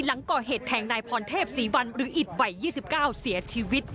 หลังก่อเหตุแทงนายพรเทพศรีวันหรืออิตวัย๒๙เสียชีวิต